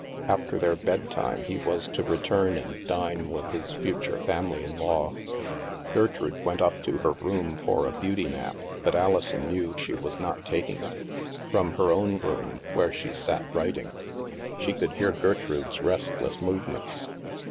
After their bed time he was to return and dine with his future fam ily in law. Gertrude went up to her room for a beauty nap, but Alison knew she was not taking it. From her own room, where she sat writing, she could hear Gertrude's restless movements.